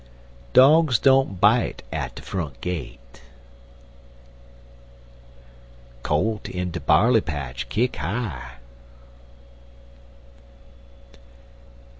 Dogs don't bite at de front gate. Colt in de barley patch kick high.